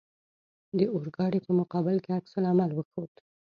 د اورګاډي په مقابل کې عکس العمل وښود.